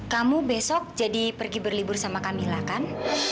kamu besok jadi pergi berlibur sama kamila kan